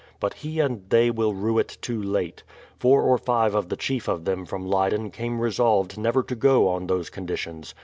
But he and they will rue it too late. Four or five of the chief of them from Leyden came resolved never to go on those conditions.